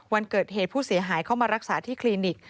วันเกิดเหตุผู้เสียหายเข้ามารักษาที่คลินิก